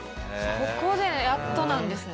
ここでやっとなんですね。